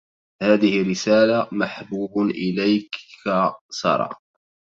هذه رسالة محبوب إليك سرى